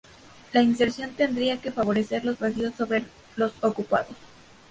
La inserción tendría que favorecer los vacíos sobre los ocupados.